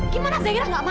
gimana zaira gak marah pak